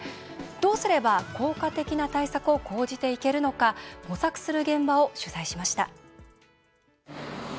どうすれば効果的な対策を講じていけるのか模索する現場を取材しました。